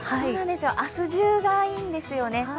明日中がいいんですよね。